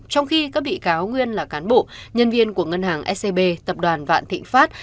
trong khi các bị cáo nguyên là cán bộ nhân viên của ngân hàng scb tập đoàn vạn thịnh pháp